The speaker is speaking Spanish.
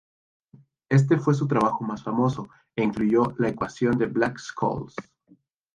Este fue su trabajo más famoso e incluyó la ecuación de Black-Scholes.